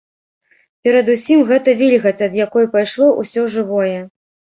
Перадусім гэта вільгаць, ад якой пайшло ўсё жывое.